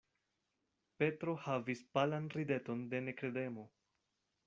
Petro havis palan rideton de nekredemo.